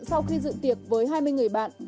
sau khi dự tiệc với hai mươi người bạn